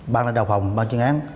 ban đại đạo phòng ban chuyên án